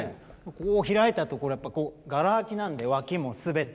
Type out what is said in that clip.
こうひらいたところをやっぱこうがら空きなんでわきもすべて。